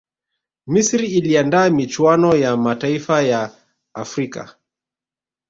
misri iliandaa michuano ya mataifa ya afrika